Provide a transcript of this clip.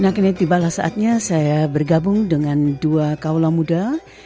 nah kini tibalah saatnya saya bergabung dengan dua kaulah muda